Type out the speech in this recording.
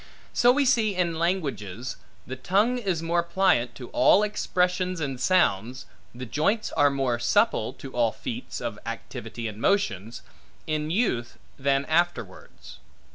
So we see, in languages, the tongue is more pliant to all expressions and sounds, the joints are more supple, to all feats of activity and motions, in youth than afterwards.